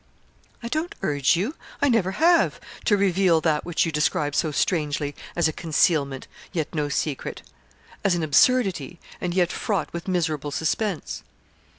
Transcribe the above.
'I don't urge you I never have to reveal that which you describe so strangely as a concealment, yet no secret; as an absurdity, and yet fraught with miserable suspense.'